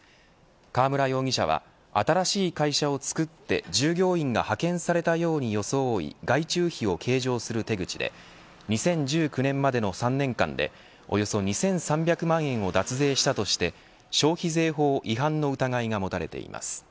川村容疑者は新しい会社を作って従業員が派遣されたように装い外注費を計上する手口で２０１９年までの３年間でおよそ２３００万円を脱税したとして消費税法違反の疑いが持たれています。